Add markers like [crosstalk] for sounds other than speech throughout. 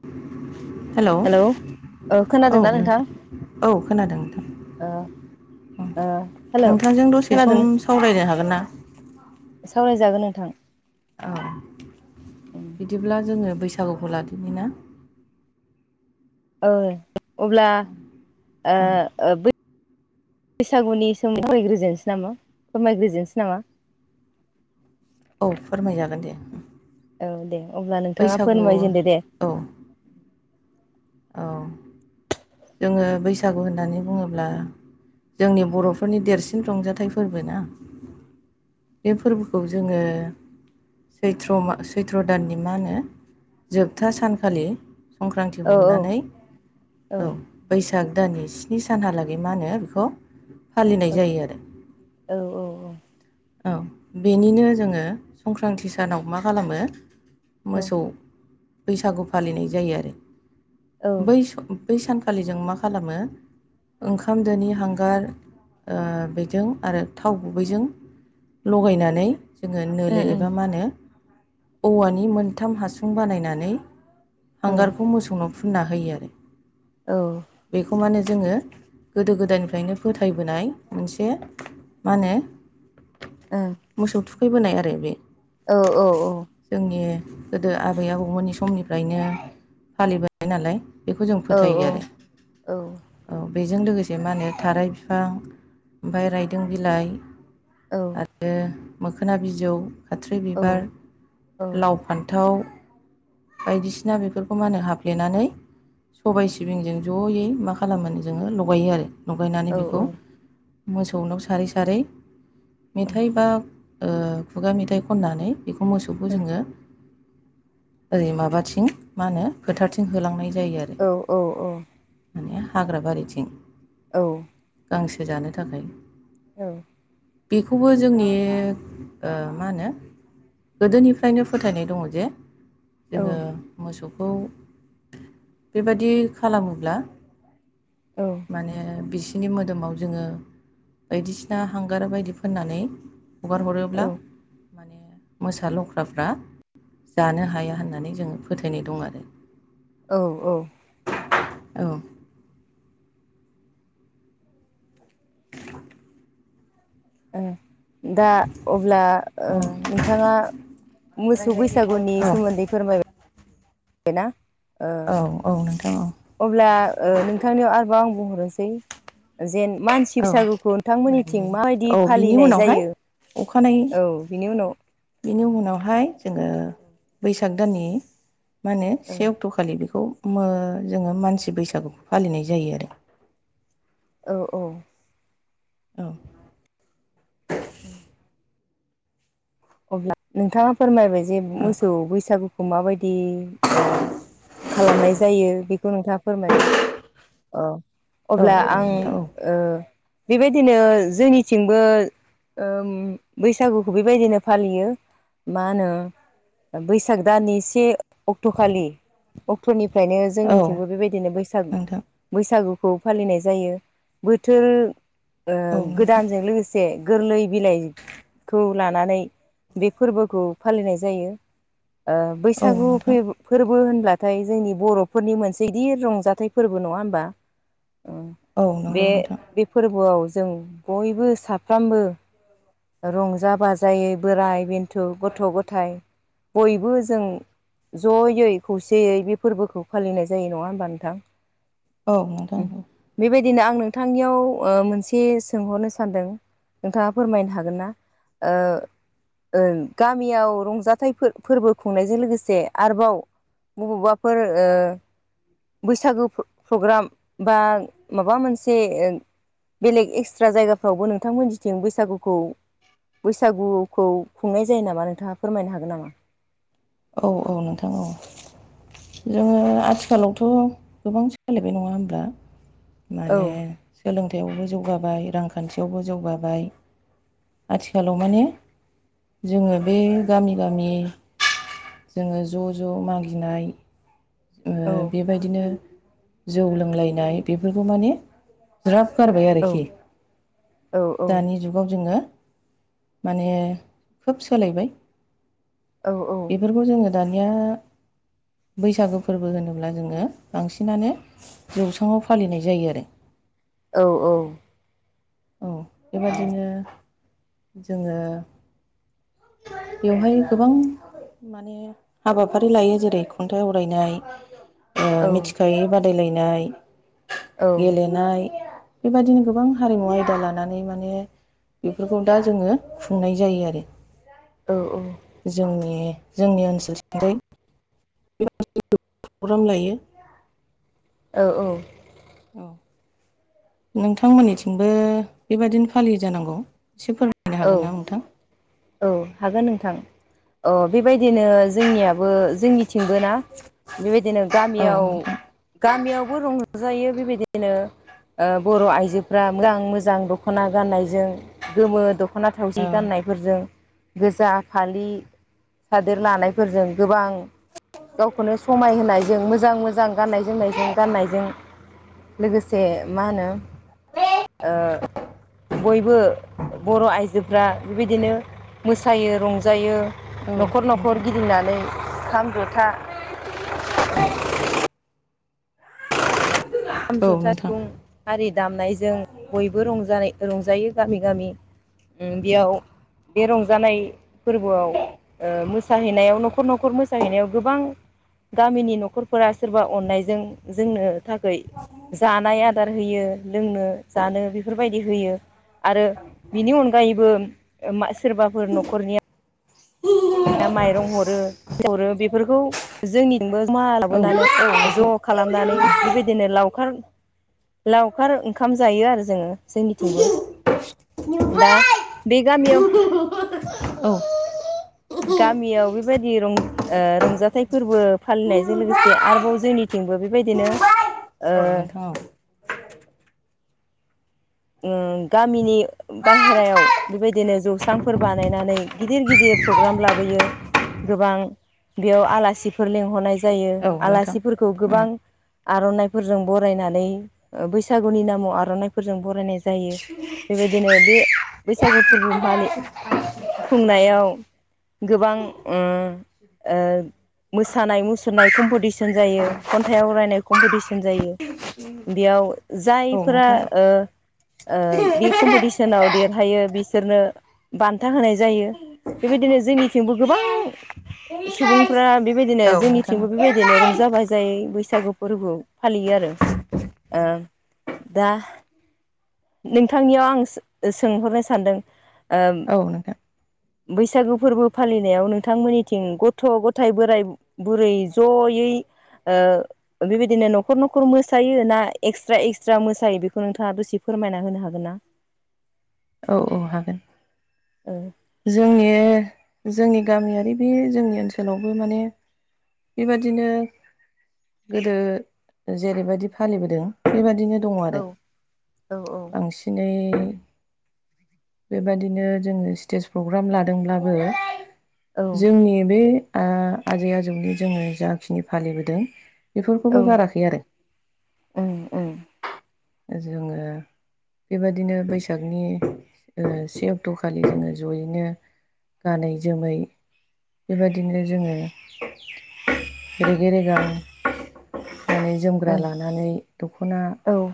[inaudible] Hello ओ औ खोनादोंना नोंथां औ खोनादों नोंथां ओ ओ हेलौ नोंथांजों दसे खोनादों सम सावरायनो हागोन ना? सावरायजागोन नोंथां [unintelligible] बिदिब्ला जोङो बैसागुखौ लादिनि ना? ओ अब्ला ओ औ [unintelligible] बैसागुनि सोमो [unintelligible] नसो नामा फोरमायग्रोजोनसो नामा औ फोरमायजागोन दे औ दे अब्ला नोंथाङा बैसागु फोरमायजेनदो दे औ औ दोङो बैसागु होननानै बुङोब्ला जोंनि बर'फोरनि देरसिन रंजाथाइ फोरबो ना बे फोरबोखौ जोङो सैथ्र मा सैथ्र' दाननि मा होनो जोबथा सानखालि संक्रान्ति औ हमनानै औ बैसाग दाननि स्नि सानहालागै मा होनो बेखौ फालिनाय जायो आरो औ औ औ औ बेनिनो जोङो संक्रान्ति सानाव मा खालामो औ मोसौ बैसागु फालिनाय जायो आरो औ बै स बै सानखालि जों मा खालामो ओंखाम दोनि हांगार ओ बेजों आरो थाव गुबैजों लगायनानै जोङो उम नोलो उम एबा मा होनो औवानि मोनथाम हासुं बानायनानै औ हांगारखौ मोसौनो फुनना होयो आरो औ बेखौ माने जोङो गोदो गोदायनिफ्रायनो फोथायबोनाय मोनसे मानो ओं मोसौ थुखैबोनाय आरो बे जोंनि गोदो आबै आबौमोननि समनिफ्रायनो फालिबोनाय नालाय बेखौ जों औ फोथायो आरो। औ बेजों लोगोसे मा होनो थाराय बिफां ओमफाय रायदों बिलाइ औ रो मोखोना बिजौ खाथ्रि औ बिबार लाव फान्थाव बायदिसिना बेफोरखौ मा होनो हाफ्लेनानै सबाय सिबिंजों जयै मा खालामोनो जोंङो लगायो आरो। लगायनानै बेखौ मोसौनोाव सारै सारै मेथाइ बा ओ खुगा मेथाइ खननानै बेखौ मोसौखौ जोङो ओरै माबाथिं मा होनो फोथारथिं होलांनाय जायो आरो औ औ औ माने हाग्रा बारिथिं औ गांसो जानो थाखाय औ बेखौबो जोंनि मा होनो गोदोनिफ्रायनो फोथायनाय दंङ जे जोंङो मोसौखौ बेबादि खालामोब्ला औ माने बिसिनि मोदोमाव जोंङो बायदिसिना हांगार बायदि फोननानै हगार औ हरोब्ला माने मोसा लख्राफ्रा जानो हाया होननानै जोंङो फोथायनाय दं आरो। औ औ [inaudible] औ [inaudible] ओ दा अब्ला ओ औ नोंथांङा मोसौ बैसागुनि औ सोमोन्दै फोरमाय य ना ओ औ औ नोंथां औ अब्ला ओ नोंथांनियाव आरोबाव आं बुंहरनोसै जेन मान सिब औ बैसागुखौ नोंथांमोननिथिं माने माबायदि औ बिनि फालिनाय उनावहाय जायो? अखानायै औ बिनि उनाव बिनि उनावहाय जोंङो बैसाग दाननि मा होनो औ से अक्ट' फालि बेखौ मो जोंङो मानसि बैसागु फालिनाय जायो आरो। औ औ औ उ [inaudible] अब्ला नोंथांङा फोरमायबाय जे औ मोसौ बैसागु खौ माबायदि ओ खालामनाय जायो बेखौ नोंथांङा फोरमायबाय। औ अब्ला आं औ ओ बेबायदिनो जोंनिथिंबो ओम बैसागुखौ बेबायदिनो फालियो मा होनो बैसाग दाननि से अक्ट'खालि अक्ट'निफ्रायनो औ जोंनिथिंबो बेबायदिनो बैसाग नोंथां बैसागुखौ फालिनाय जायो बोथोर ओ औ नोंथां गोदानजों लोगोसे गोरलै बिलाइखौ लानानै बे फोरबोखौ फालिनाय जायो। ओ औ बैसागु नोंथां फैब फोरबो होनब्लाथाय जोंनि बर'फोरनि मोनसे गिदिर रंजाथाइ फोरबो नंङा होमबा? ओं औ नोंथां औ नंगौ बे नोंथां बे फोरबोआव जों बयबो साफ्रामबो रंजा बाजायै बोराय बेन्थु गथ' गथाय बयबो जों ज'यै खौसेयै बे फोरबोखौ फालिनाय जायो। नङा होमबा नोंथां? औ नोंथां। बेबायदिनो आं नोंथांनियाव ओ मोनसे सोंहरनो सानदों नोंथाङा फोरमायनो हागोन ना? ओ ओं। गामियाव रंजाथाइ फो-फोरबो खुंनायजों लोगोसे आरोबाव बबावबाफोर ओ बैसागो फो प्रग्राम बा माबा मोनसे ओ बेलेग एक्सट्रा जायगाफ्रावबो नोंथांमोनजिथिं बैसागुखौ बैसागु खौ खुंनाय जायो नामा नोंथां फोरमायनो हागोन नामा? औ औ नोंथां औ जोंङो आथिखालावथ' गोबां सालायबाय नंङा होनब्ला? औ माने सोलोंथायाइयावबो जौगाबाय रांखान्थियावबो जौगाबाय। आथिखालाव माने जोंङो बे गामि गामि जोंङो ज' ज' मागिनाय ओ औ बेबायदिनो जौ लोंलायनाय बेफोरखौ माने ज्राब गारबाय औ आरोखि औ दानि जुग गाव जोङो माने खोब सोलायबाय। औ औ। बेफोरखौ जोङो दानिया बैसागो फोरबो होनोब्ला जोङो बांसिनानो जौस्राङाव फालिनाय जायो आरो। औ औ। औ बेबायदिनो जोङो बेवहाय गोबां माने हाबाफारि लायो जेरै खन्थाइ आवरायनाय, ओ मिथिखायै बादायलायनाय, गेलेनाय बेबायदिनो गोबां हारिमु आय दा लानानै माने बेफोरखौ दा जोङो खुंनाय जायो आरो। औ औ। जोंनि जोंनि ओनसोल सिंगै प्रग्राम लायो। ओ औ। औ, नोंथांमोननिथिंबो बेबादिनो फालियो जानांगौ। एसे फोर मायनो औ हागोन ना नोंथां? औ हागोन नोंथां। औ बेबायदिनो जोंनियाबो जोंनिथिंबो ना बेबायदिनो औ गामियाव नोंथां गामियावबो रंजायो बेबायदिनो बर' आइजोफ्रा मोजां मोजां दख'ना गाननायजों गोमो दख'ना थावसि औ गाननायफोरजों गोजा फालि सादोर लानायफोरजों गोबां गावखौनो समायहोनायजों मोजां मोजां गाननाय जोमनायजों गाननायजों लोगोसे मा होनो ओ बयबो बर' आइजोफ्रा बेबायदिनो मोसायो रंजायो न'खर नोंथां न'खर गिदिंनानै खाम, जथा खाम, औ जथा, नोंथां सिफुं आरि दामनायजों बयबो रंजानाय रंजायो गामि गामि। उम बेयाव बे रंजानाय फोरबोआव ओ मोसाहैनायाव न'खर न'खर मोसाहैनायाव गोबां गामिनि न'खरफोरा सोरबा अननायजों जोंनो थाखै जानाय आदार होयो, लोंनो जानो बेफोरबायदि होयो। आरो बिनि अनगायैबो मा सोरबाफोर न'खरनिया दा माइरं हरो हरो बेफोरखौ जोंनिजोंबो औ माबोनानै नोंथां ज' खालामनानै नुबाय बेबायदिनो लावखार लावखार ओंखाम जायो आरो जोङो जोंनिथिंबो। दा बे गामियाव औ गामियाव बेबायदि रंज रंजाथाइ फोरबो फालिनायजों लोगोसे नुबाय आरोबाव जोंनिथिंबो बेबायदिनो ओ औ नोंथां ओ गामिनि बायेरायाव बेबायदिनो जौस्रांफोर बानायनानै गिदिर गिदिर प्रग्राम लाबोयो। गोबां बेयाव आलासिफोर लिंहरनाय जायो। औ नोंथां आलासिफोरखौ उम गोबां औ आर'नाइफोरजों बरायनानै ओ बैसागुनि नामाव आर'नाइफोरजों बरायनाय जायो। बेबायदिनो बे बैसागो फोरबो मालि नोंथां खुंनायाव गोबां ओम ओ मोसानाय मुसुरनाय कम्पडिसन जायो, खन्थाइ आवरायनाय कम्पडिसन जायो। बेयाव औ जायफोरा नोंथां औ ओ बे कम्पिटिसनाव देरहायो बिसोरनो बान्था होनाय जायो। बेबायदिनो जोंनिथिंबो गोबां सुबुंफ्रा बेबायदिनो औ नोंथां जोंनिथिंबो बेबायदिनो रंजा बाजा जायै बैसागु फोरबो फालियो आरो दा। नोंथांनियाव आं सोंहरनो सानदों ओ बैसागु फोरबो फालिनायाव नोंथांमोननिथिं गथ' गथाय बोराइ बुरै जयै। बेबायदिनो न'खर न'खर मोसायो ना एक्सट्रा एक्सट्रा मोसायो बेखौ नोंथाङा दसे फोरमायना होनो हागोन ना? औ औ हागोन। ओ जोंनि जोंनि गामियारि बे जोंनि ओनसोलावबो माने बेबादिनो गोदो जेरैबायदि फालिबोदों बेबायदिनो दं औ आरो औ बांसिनै बेबायदिनो जोङो स्टेज प्रग्राम लादोंब्लाबो। औ जोंनि बे आजै आजौनि जोङो जाखिनि फालिबोदों बेफोरखौबो औ गाराखै आरो ओं ओं जोङो बेबाददिनो बैसागनि से अक्ट'खालि जोङो जयैनो‌ गानै जोमै बेबायदिनो जोङो रेगे रेगा रोन जोमग्रा ओं लानानै दख'ना औ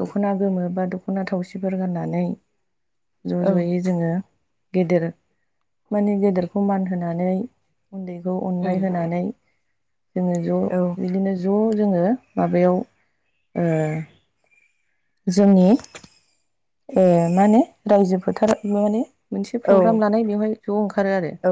दख'ना गोमो बा दख'ना थावसिफोर गाननानै ज' औ ओम ज'यै जोङो गेदेर माने गेदेरखौ मान होनानै उन्दैखौ अननाय होनानै जोङो ज' औ बिदिनो ज' जोङो माबायाव ओ जोंनि मा होनो रायजो फोथाराव माने मोनसे औ प्रग्राम लानाय बेवहाय ज' ओंखारो आरो औ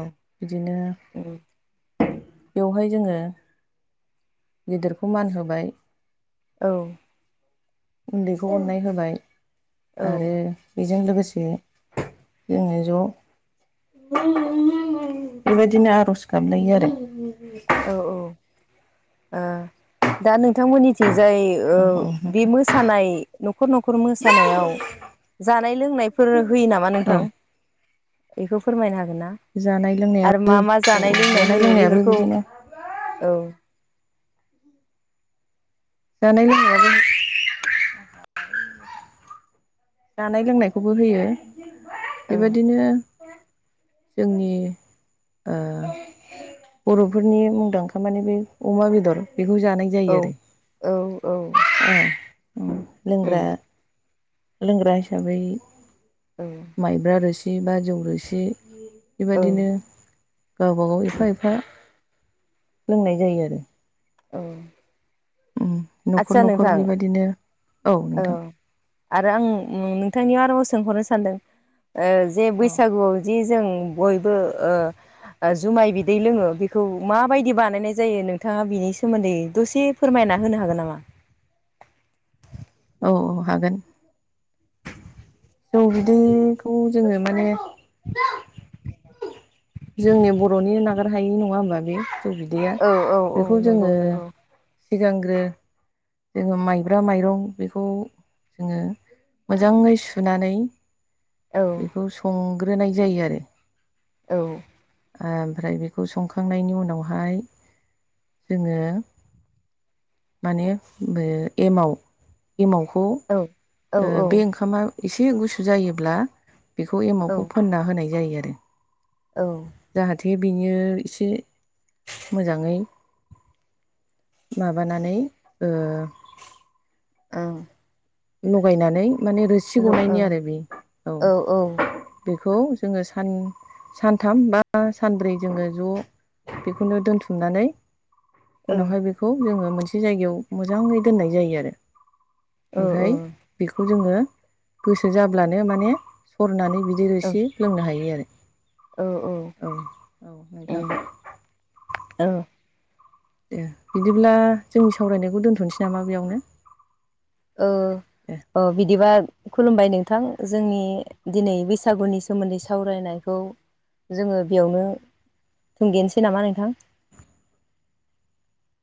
औ बिदिनो उम बेवहाय जोङो गिदिरखौ मान होबाय। औ उन्दैखौ अननाय होबाय औ आरो बेजों लोगोसे जोङो ज' बेबायदिनो आर'ज गाबलायो आरो। उ औ औ दा नोंथांमोननिथिंजाय औ औ बे नोंथां मोसानाय न'खर न'खर मोसानायाव जानाय लोंनायफोर होयो नामा औ नोंथां बेखौ फोरमायनो हागोन ना? जानाय आरो लोंनायाबो मा मा औ जानाय लोंनाय होयो लोंनायाबो बेफोरखौ बिदिनो औ जानाय लोंनाय जों जानाय लोंनायखौबो होयो। औ बेबायाददिनो जोंनि आ बर'फोरनि मुंदांखा मानि बे अमा बेदर बेखौ जानाय जायो औ आरो औ औ लोंग्रा ओम लोंग्रा हिसाबै औ माइब्रा रोसि बा जौ रोसि औ बेबदिनो गावबागाव ओम एफा एफा लोंनाय जायो आरो। औ न'खर आदसा न'खर नोंथां बेबायदिनो औ नोंथां आरो आं नोंथांनियाव सोंहरनो सानदों जे औ बैसागुआव जि जों बयबो ओ जुमाय बिदै लोङो बेखौ माबायदि बानायनाय जायो नोंथाङा बिनि सोमोन्दै दसे फोरमायना होनो हागोन नामा? औ औ हागोन जौ बिदैखौ जोङो माने जोंनि बर'नि नागार हायि नङा होमबा बे फिथौ बिदैया औ औ औ बेखौ नंगौ जोङो नंगौ सिगांग्रो जोङो माइब्रा माइरं बेखौ जोङो मोजाङै सुनानै औ बेखौ संग्रोनाय जायो आरो। औ। ओमफ्राय बेखौ संखांनायनि उनावहाय जोङो माने एमाव एमावखौ औ बे औ ओंखामा एसे गुसु जायोब्ला बेखौ औ एमावखौ फोनना होनाय जायो आरो। औ। जाहाथे बेयो एसे मोजाङै माबानानै ओ औ। लगायनानै माने रोसि औ औ गनायनि आरो बे औ बेखौ जोङो सान सानथाम बा सानब्रै जोङो ज' बेखौनो दोनथुमनानै उनावहाय बेखौ जोङो मोनसे जायगायाव मोजाङै दोननाय जायो आरो। औ औ ओमफ्राय बेखौ जोङो गोसो जाब्लानो माने हरनानै बिदिर एसे लोंनो हायो आरो औ औ नोंथां। उम औ। दे बिदिब्ला जोंनि सावरायनायखौ दोन्थ'नोसै नामा बेयावनो। अ दे औ बिदिबा खुलुमबाय नोंथां जोंनि दिनै बैसागुनि सोमोन्दै सावरायनायखौ जोङो बेयावनो थुंगेनोसै नामा नोंथां?